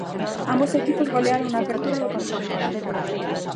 Ambos equipos golearon na apertura do campionato.